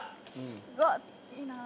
「うわっいいな」